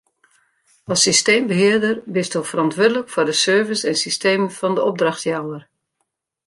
As systeembehearder bisto ferantwurdlik foar de servers en systemen fan de opdrachtjouwer.